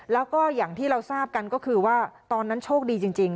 แล้วก็อย่างที่เราทราบกันก็คือว่าตอนนั้นโชคดีจริง